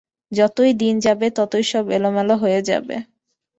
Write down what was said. যতই দিন যাবে ততই সব এলোমেলো হয়ে যাবে।